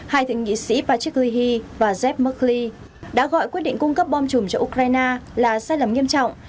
hai thượng nghị sĩ patrick leahy và jeff merkley đã gọi quyết định cung cấp bom chùm cho ukraine là sai lầm nghiêm trọng